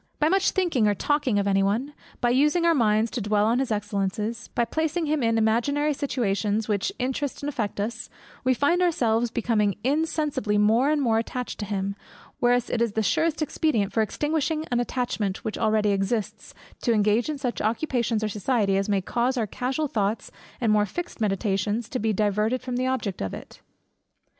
By much thinking or talking of any one; by using our minds to dwell on his excellences; by placing him in imaginary situations which interest and affect us; we find ourselves becoming insensibly more and more attached to him: whereas it is the surest expedient for extinguishing an attachment which already exists, to engage in such occupations or society, as may cause our casual thoughts and more fixed meditations to be diverted from the object of it.